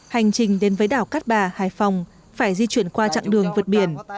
hành trình đến với đảo cát bà hải phòng phải di chuyển qua chặng đường vượt biển